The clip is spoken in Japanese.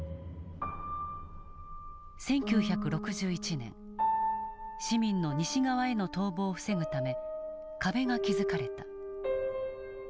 １９６１年市民の西側への逃亡を防ぐため壁が築かれた。